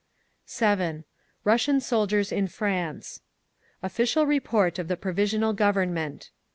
7. RUSSIAN SOLDIERS IN FRANCE _Official Report of the Provisional Government.